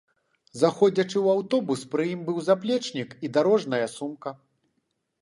Заходзячы ў аўтобус пры ім быў заплечнік і дарожная сумка.